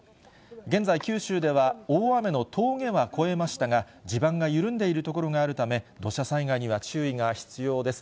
現在、九州では大雨の峠は越えましたが、地盤が緩んでいる所があるため、土砂災害には注意が必要です。